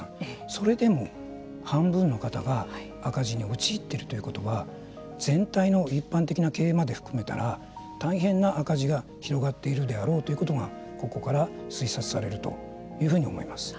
それでも半分の方が赤字に陥っているということは全体の一般的な経営まで含めたら大変な赤字が広がっているであろうということがここから推察されるというふうに思います。